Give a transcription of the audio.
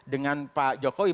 dengan pak jokowi